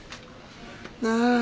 なあ。